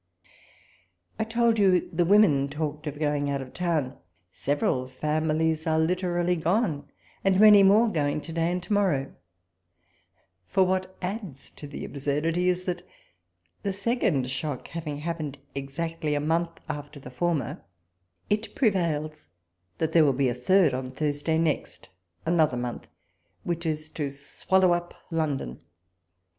I told you the women talked of going out of town : several families are literally gone, and many more going to day and to morrow ; for what adds to the absurdity, is, that the second shock having happened exactly a month after the ^former, it prevails that there will be a third on Thursday next, another month, which is to swallow up London.